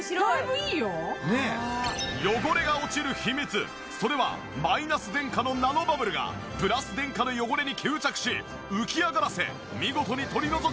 汚れが落ちる秘密それはマイナス電荷のナノバブルがプラス電荷の汚れに吸着し浮き上がらせ見事に取り除くからなんです。